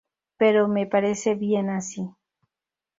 Pero me parece bien así.